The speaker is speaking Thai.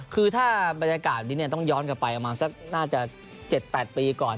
คือถ้าบรรยากาศแบบนี้ต้องย้อนกลับไปประมาณสักน่าจะ๗๘ปีก่อน